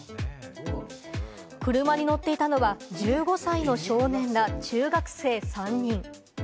車に乗っていたのは１５歳の少年ら中学生３人。